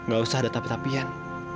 gak usah ada tapi tapian